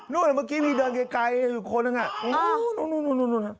นั่นเมื่อกี้มีเดินไกลอยู่คนนั้นอ่ะนู้น